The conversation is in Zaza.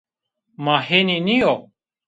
Ma henî nîyo?